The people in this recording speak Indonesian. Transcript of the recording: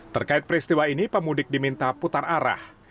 terkait peristiwa ini pemudik diminta putar arah